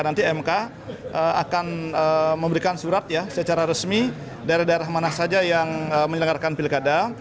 nanti mk akan memberikan surat secara resmi dari daerah mana saja yang menyelenggarkan pilkada